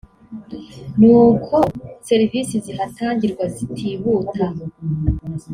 ni uko serivisi zihatangirwa zitihuta